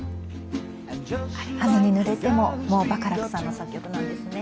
「雨にぬれても」もバカラックさんの作曲なんですね。